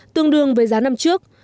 tương đương với giá năm trước